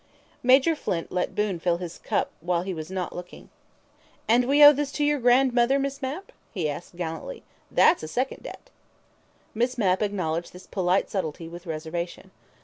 Major Flint let Boon fill up his cup while he was not looking. "And we owe this to your grandmother, Miss Mapp?" he asked gallantly. "That's a second debt." Miss Mapp acknowledged this polite subtlety with a reservation.